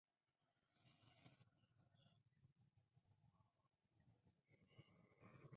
No hay más que podamos hacer como The Beatles.